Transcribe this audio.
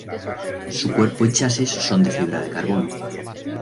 Su cuerpo y chasis son de fibra de carbono.